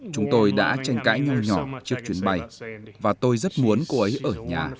chúng tôi đã tranh cãi nhau nhỏ trước chuyến bay và tôi rất muốn cô ấy ở nhà